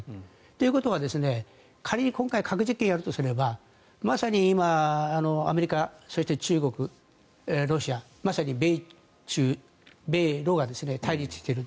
ということは、今回核実験をするとすればまさに今、アメリカそして中国、ロシアまさに米ロが対立している。